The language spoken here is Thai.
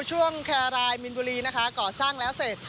ช่วงแครรายมินบุรีนะคะก่อสร้างแล้วเสร็จ